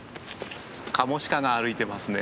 カモシカが歩いてますね。